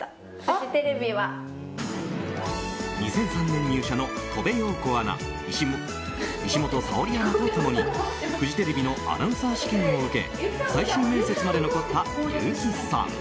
２００３年入社の戸部洋子アナ石本沙織アナと共にフジテレビのアナウンサー試験を受け最終面接まで残った優木さん。